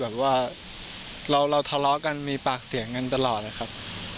คือก่อนหน้านี้ผมไม่ค่อยแบบว่าเราทะเลากันมีปากเสียงกันตลอดเลยครับ